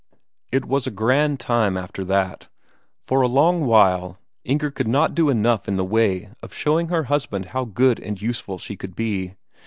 It was a grand time after that. For a long while, Inger could not do enough in the way of showing her husband how good and useful she could be.